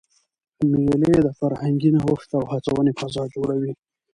مېلې د فرهنګي نوښت او هڅوني فضا جوړوي.